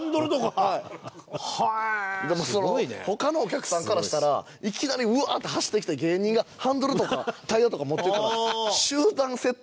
他のお客さんからしたらいきなりウワーッて走ってきた芸人がハンドルとかタイヤとか持っていくから。